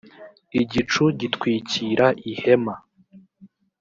igicu gitwikira ihema